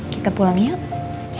kalo kamu burger macet